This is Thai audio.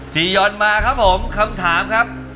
ตอนนี้มาครับผมคำถามครับ